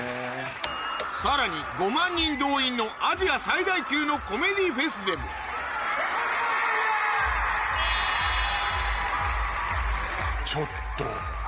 さらに５万人動員のアジア最大級のコメディフェスでもちょっと。